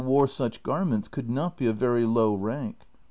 wore sucli garments could not be of very low rank.